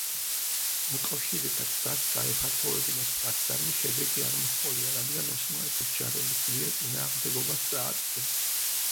მოკავშირეთა ცდას, გაეფართოვებინათ პლაცდარმი, შედეგი არ მოჰყოლია, რადგან ოსმალეთის ჯარების ძლიერ წინააღმდეგობას წააწყდნენ.